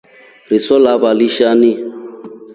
Riso lava lishani.